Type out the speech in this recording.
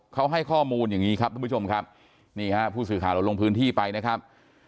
เขาให้ข้อมูลอย่างนี้ครับทุกผู้ชมครับนี่ฮะผู้สื่อข่าวเราลงพื้นที่ไปนะครับ